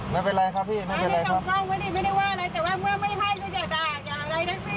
ไม่เป็นไรครับพี่ไม่เป็นไรครับ